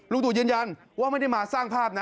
ตู่ยืนยันว่าไม่ได้มาสร้างภาพนะ